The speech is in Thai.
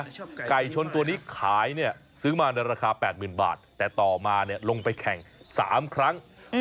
ชอบไก่ชนตัวนี้ขายเนี้ยซื้อมาในราคาแปดหมื่นบาทแต่ต่อมาเนี้ยลงไปแข่งสามครั้งอืม